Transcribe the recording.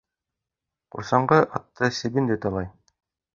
Ҡорсаңғы атты себен дә талай.